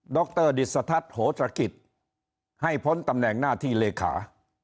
รดิสทัศน์โหตรกิจให้พ้นตำแหน่งหน้าที่เลขา